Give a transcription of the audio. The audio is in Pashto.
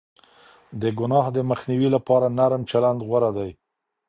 د گناه د مخنيوي لپاره نرم چلند غوره دی.